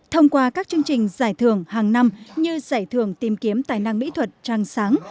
thông qua các chương trình giải thưởng hàng năm như giải thưởng tìm kiếm tài năng mỹ thuật trăng sáng